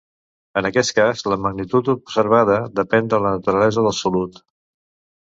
En aquest cas, la magnitud observada depèn de la naturalesa del solut.